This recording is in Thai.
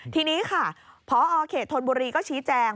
ทีนี้ค่ะพอเขตธนบุรีก็ชี้แจง